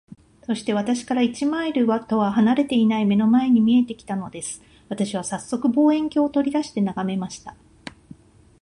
そして、私から一マイルとは離れていない眼の前に見えて来たのです。私はさっそく、望遠鏡を取り出して眺めました。